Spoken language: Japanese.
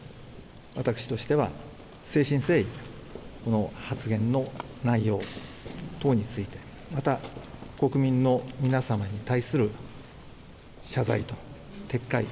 私としては、誠心誠意発言の内容等についてまた、国民の皆様に対する謝罪と撤回。